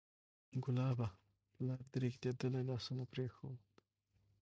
کلابه! پلار دې رېږدېدلي لاسونه پرېښود